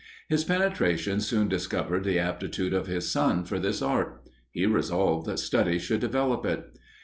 His penetration soon discovered the aptitude of his son for this art. He resolved that study should develope it.